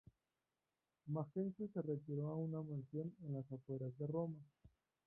Majencio se retiró a una mansión en las afueras de Roma.